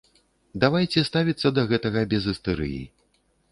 Давайце ставіцца да гэтага без істэрыі.